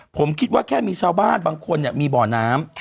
ผมคิดว่าแค่มีชาวบ้านบางคนมีบ่อน้ำ